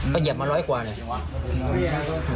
ก็เหยียบมาร้อยกว่าเลย